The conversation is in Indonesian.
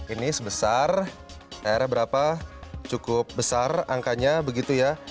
ini sebesar airnya berapa cukup besar angkanya begitu ya